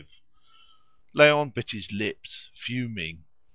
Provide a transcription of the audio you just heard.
Léon bit his lips, fuming.